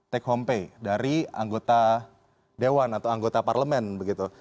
take home pay dari anggota dewan atau anggota parlemen begitu